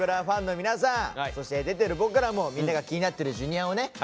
ファンの皆さんそして出てる僕らもみんなが気になってるＪｒ．をね